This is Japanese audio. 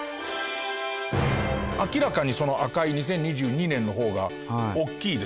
明らかに赤い２０２２年の方が大きいですもんね。